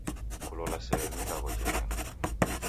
Kulola sere ni ilagho ja henga.